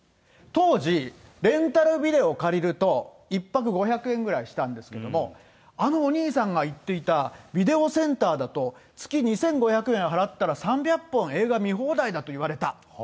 当時、レンタルビデオを借りると１泊５００円ぐらいしたんですけれども、あのお兄さんが言っていたビデオセンターだと、月２５００円払ったら、３００本映画見放題だと言われた。